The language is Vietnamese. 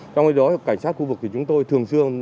trong khi đó cảnh sát khu vực chúng tôi thường xương